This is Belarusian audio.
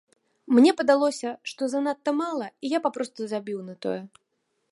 Мне падалося, што занадта мала, і я папросту забіў на тое.